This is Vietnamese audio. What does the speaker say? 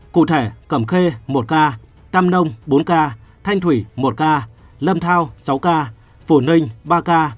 cụ thể cẩm khê một ca tam nông bốn ca thanh thủy một ca lâm thao sáu ca phủ ninh ba ca